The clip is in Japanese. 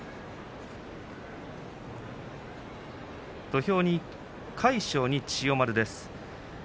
土俵に魁勝に千代丸です。